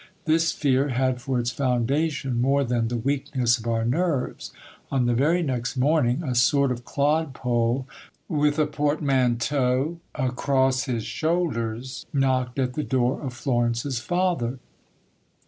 This fear had for its foundation more than the weakness of our nerves. On the very next morning, a sort of clodpole, with a portmanteau across his shoulders, knocked at the door of Florence's father.